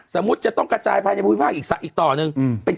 สมมุติจะต้องกระจายภายในภูมิภาคอีกต่อหนึ่ง